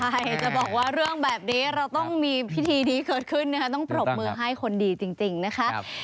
ใช่จะบอกว่าเรื่องแบบนี้เราต้องมีพิธีนี้เกิดขึ้นนะคะต้องปรบมือให้คนดีจริงนะคะ